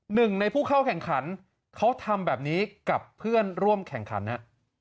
หนึ่งในผู้เข้าแข่งขันเขาทำแบบนี้กับเพื่อนร่วมแข่งขันฮะ